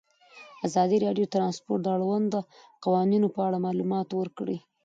ازادي راډیو د ترانسپورټ د اړونده قوانینو په اړه معلومات ورکړي.